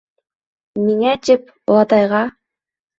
— Миңә тип, олатайға...